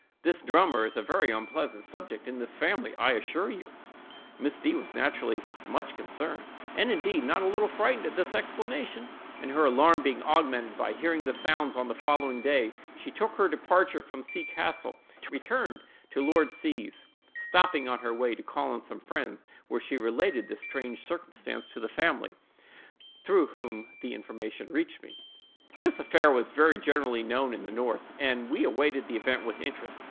'The drummer' is a very unpleasant subject in this family, I assure you!" Miss D—— was naturally much concerned, and, indeed, not a little frightened at this explanation, and her alarm being augmented by hearing the sounds on the following day, she took her departure from C—— castle and returned to Lord C——'s, stopping on her way to call on some friends, where she related this strange circumstance to the family, through whom the information reached me. This affair was very generally known in the north, and we awaited the event with interest.